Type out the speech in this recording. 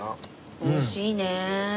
おいしいね。